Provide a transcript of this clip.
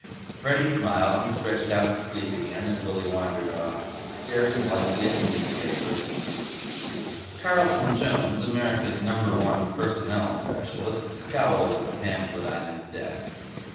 Freddy smiled and stretched out to sleep again as Willy wandered off, staring blankly at the newspaper. Carlton Jones, America's Number One personnel specialist, scowled at the pamphlet on his desk.